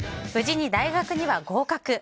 無事に大学には合格。